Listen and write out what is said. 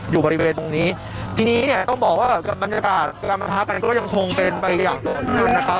อยู่บริเวณตรงนี้ทีนี้เนี่ยต้องบอกว่ากับบรรยากาศกรรมภาพกันก็ยังคงเป็นไปอย่างตรงนั้นนะครับ